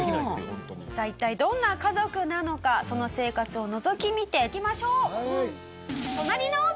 さあ一体どんな家族なのかその生活をのぞき見ていきましょう。